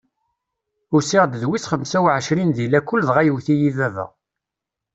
Usiɣ-d d wis xemsa u ɛecrin di lakul dɣa yewwet-iyi baba.